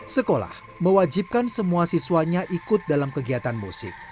sekolah mewajibkan semua siswanya ikut dalam kegiatan musik